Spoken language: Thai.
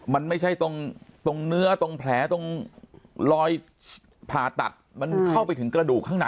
มันไม่ใช่ตรงเนื้อตรงแผลตรงรอยผ่าตัดมันเข้าไปถึงกระดูกข้างใน